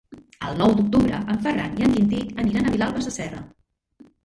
El nou d'octubre en Ferran i en Quintí aniran a Vilalba Sasserra.